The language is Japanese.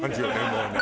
もうね。